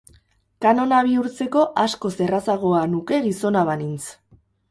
Kanona bihurtzeko askoz errazagoa nuke gizona banintz.